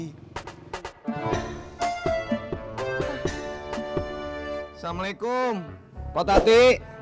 assalamualaikum pak tati